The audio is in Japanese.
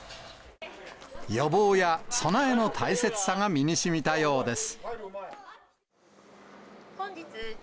予防や備えの大切さが身にしみたようです。